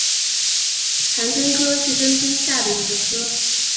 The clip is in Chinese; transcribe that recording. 盘菌科是真菌下的一个科。